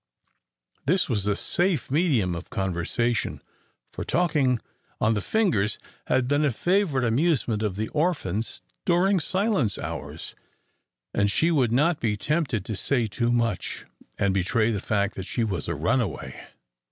This was a safe medium of conversation, for talking on the fingers had been a favourite amusement of the orphans during silence hours; and she would not be tempted to say too much, and betray the fact that she was a runaway.